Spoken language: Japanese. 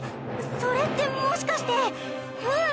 それってもしかして風林。